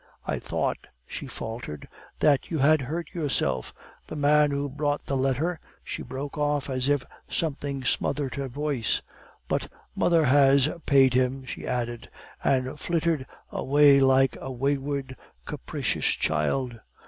"'I thought,' she faltered, 'that you had hurt yourself! The man who brought the letter ' (she broke off as if something smothered her voice). 'But mother has paid him,' she added, and flitted away like a wayward, capricious child.